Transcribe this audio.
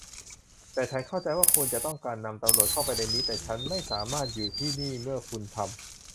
ฉันเข้าใจว่าคุณจะต้องการนำตำรวจเข้าไปในนี้ แต่ฉันไม่สามารถอยู่ที่นี่เมื่อคุณทำ